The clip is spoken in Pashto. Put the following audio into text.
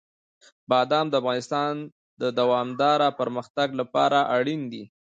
بادام د افغانستان د دوامداره پرمختګ لپاره اړین دي.